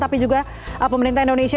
tapi juga pemerintah indonesia